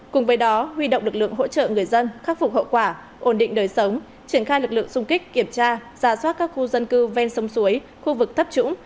cùng với đó huy động lực lượng hỗ trợ người dân khắc phục hậu quả ổn định đời sống triển khai lực lượng xung kích kiểm tra ra soát các khu dân cư ven sông suối khu vực thấp trũng